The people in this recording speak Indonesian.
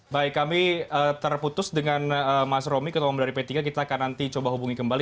baik kami terputus dengan mas romi ketua umum dari p tiga kita akan nanti coba hubungi kembali